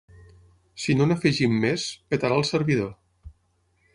Si no n'afegim més, petarà el servidor.